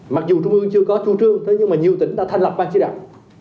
mặc dù trung ương chưa có chu trương thế nhưng mà nhiều tỉnh đã thành lập ban chỉ đạo